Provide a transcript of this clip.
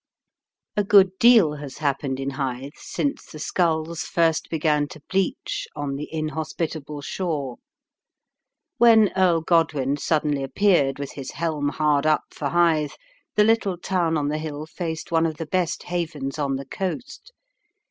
A good deal has happened in Hythe since the skulls first began to bleach on the inhospitable shore. When Earl Godwin suddenly appeared with his helm hard up for Hythe, the little town on the hill faced one of the best havens on the coast.